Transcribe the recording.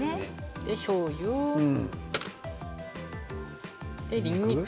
しょうゆそしてにんにく。